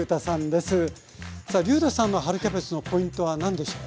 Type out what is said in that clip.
さありゅうたさんの春キャベツのポイントは何でしょう？